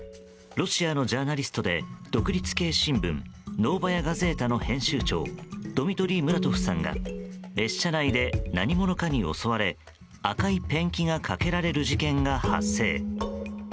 ロシアのジャーナリストで独立系新聞ノーバヤ・ガゼータの編集長ドミトリー・ムラトフさんが列車内で何者かに襲われ赤いペンキがかけられる事件が発生。